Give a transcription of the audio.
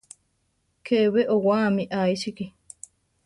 ¿Ke be owáami a iʼsíki?